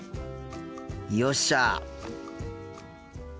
よっしゃ！